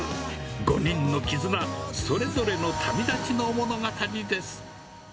５人の絆、それぞれの旅立ちの物語です。